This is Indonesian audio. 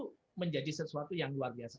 itu menjadi sesuatu yang luar biasa